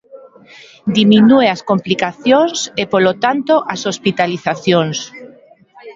Diminúe as complicacións e polo tanto as hospitalizacións.